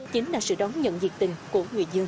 chính là sự đón nhận nhiệt tình của người dân